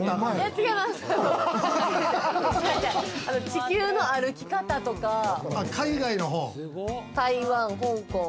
『地球の歩き方』とか、台湾、香港。